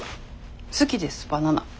好きですバナナ。